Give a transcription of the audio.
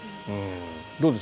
どうです？